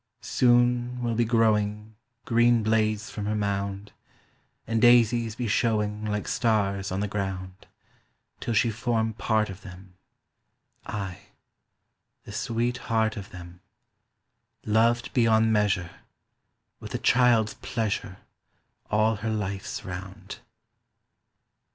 Soon will be growing Green blades from her mound, And daises be showing Like stars on the ground, Till she form part of them— Ay—the sweet heart of them, Loved beyond measure With a child's pleasure All her life's round.